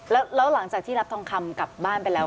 แล้วหลังจากที่รับทองคำกลับบ้านไปแล้ว